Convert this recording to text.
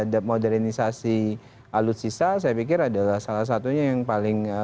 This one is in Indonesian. dan hari ini modernisasi alutsista dilakukan secara maksimal dan tentu tidak bisa instant karena beli alutsista